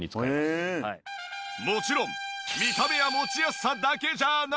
もちろん見た目や持ちやすさだけじゃない。